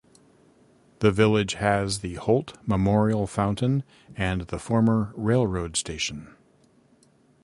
The village has the Holt Memorial Fountain and the former railroad station.